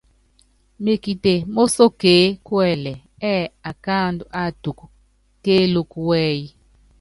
Mekite mósokeé kuɛlɛ ɛ́ɛ́ akáandú áátuku kéelúkú wɛ́yí.